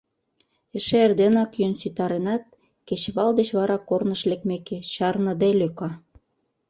Эше эрденак йӱын ситаренат, кечывал деч вара корныш лекмеке, чарныде лӧка...